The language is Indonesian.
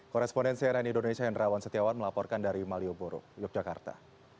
korespondensi rn indonesia hendra wan setiawan melaporkan dari malioboro yogyakarta